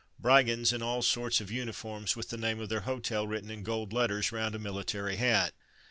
Brigands in all sorts of uniforms, with the name of their hotel written in gold letters round a military hat.